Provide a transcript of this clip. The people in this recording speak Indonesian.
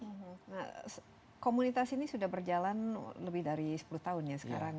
nah komunitas ini sudah berjalan lebih dari sepuluh tahun ya sekarang